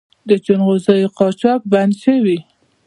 د جلغوزیو قاچاق بند شوی؟